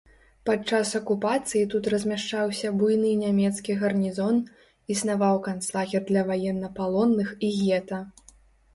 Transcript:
Падчас акупацыі тут размяшчаўся буйны нямецкі гарнізон, існаваў канцлагер для ваеннапалонных і гета.